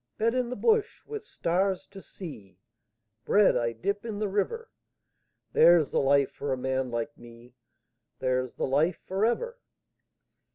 Bed in the bush with stars to see, Bread I dip in the river There's the life for a man like me, There's the life for ever.